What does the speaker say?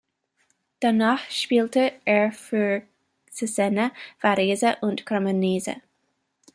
Danach spielte er für Cesena, Varese und Cremonese.